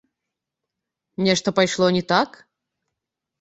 Нешта пайшло не так?